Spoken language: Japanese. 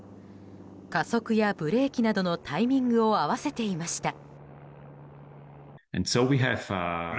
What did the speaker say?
加速やブレーキなどのタイミングを合わせていました。